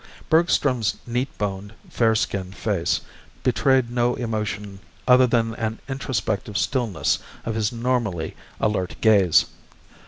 Bergstrom's neat boned, fair skinned face betrayed no emotion other than an introspective stillness of his normally alert gaze.